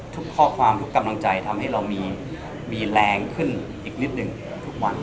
ทุกข้อความทุกกำลังใจทำให้เรามีแรงขึ้นอีกนิดหนึ่งทุกวัน